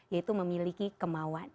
yaitu memiliki kemauan